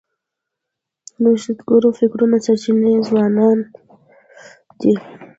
د نوښتګرو فکرونو سرچینه ځوانان دي.